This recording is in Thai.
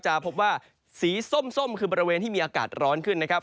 พบว่าสีส้มคือบริเวณที่มีอากาศร้อนขึ้นนะครับ